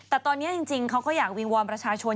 แต่ตอนนี้จริงเขาก็อยากวิงวอนประชาชน